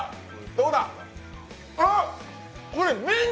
どうだ！